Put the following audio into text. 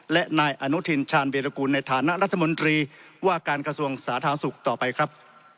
และนายอนุทินชาญวีรกูลในฐานะรัฐมนตรีว่าการกระทรวงสาธารณสุขต่อไปครับ